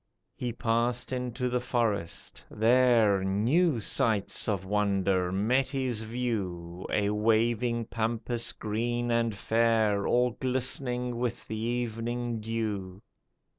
He passed into the forest, there New sights of wonder met his view, A waving Pampas green and fair All glistening with the evening dew.